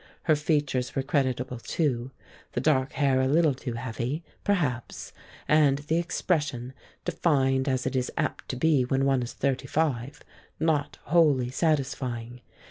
Her features were creditable too, the dark hair a little too heavy, perhaps, and the expression, defined as it is apt to be when one is thirty five, not wholly satisfying.